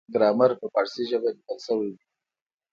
ګرامر په پارسي ژبه لیکل شوی دی.